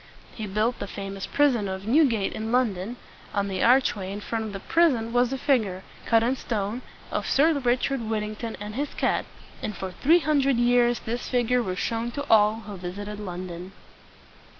He built the famous prison of New gate in London. On the arch way in front of the prison was a figure, cut in stone, of Sir Richard Whittington and his cat; and for three hundred years this figure was shown to all who visited London.